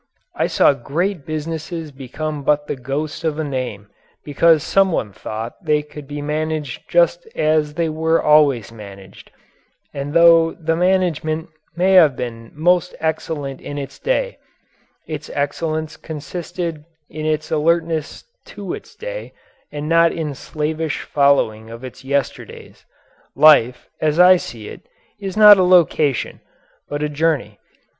I saw great businesses become but the ghost of a name because someone thought they could be managed just as they were always managed, and though the management may have been most excellent in its day, its excellence consisted in its alertness to its day, and not in slavish following of its yesterdays. Life, as I see it, is not a location, but a journey.